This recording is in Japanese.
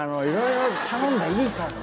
頼んでいいからね！